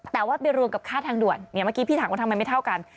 แต่ว่าไปรวมกับค่าทางด่วนเนี่ยเมื่อกี้พี่ถามว่าทำไมไม่เท่ากัน